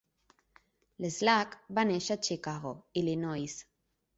L'Slack va néixer a Chicago, Illinois.